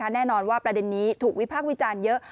แน่นอนว่าประเด็นนี้ถูกวิพากษ์วิจารณ์เยอะ